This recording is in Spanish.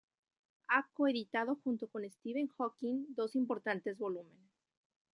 Ha co-editado junto con Stephen Hawking dos importantes volúmenes.